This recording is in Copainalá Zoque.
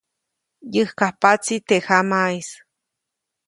Yäjkajpaʼtsi teʼ jamaʼis.